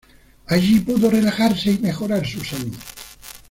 Allí pudo relajarse y mejorar su salud.